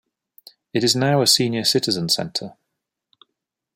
It is now a senior citizen center.